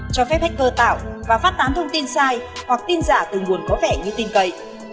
cho phép hacker tạo và phát tán thông tin sai hoặc tin giả từ nguồn có vẻ như tin cậy